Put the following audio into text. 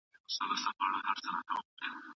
د پوهې کچه د عملي کار له لارې معلومېږي.